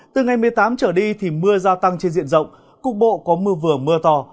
từ ngày một mươi tám trở đi thì mưa gia tăng trên diện rộng cục bộ có mưa vừa mưa to